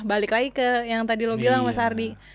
balik lagi ke yang tadi lo bilang mas ardi